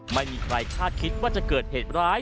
ไม่มีใครคาดคิดว่าจะเกิดเหตุร้าย